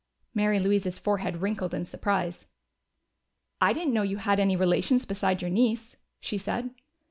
Mary Louise's forehead wrinkled in surprise. "I didn't know you had any relations besides your niece," she said.